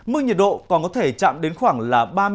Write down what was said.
mức nhiệt độ còn có thể chạm đến khoảng là